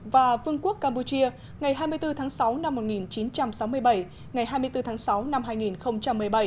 và vương quốc campuchia ngày hai mươi bốn tháng sáu năm một nghìn chín trăm sáu mươi bảy ngày hai mươi bốn tháng sáu năm hai nghìn một mươi bảy